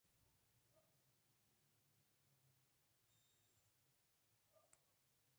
Funcionalmente, es un útil polivalente, sin un sentido claramente definido.